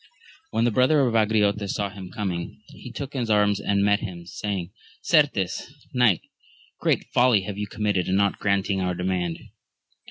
HEN the brother of Angriote saw him com ing, he took his arms and met him, saying, Certes, knight, great folly have you com mitted in not granting our demand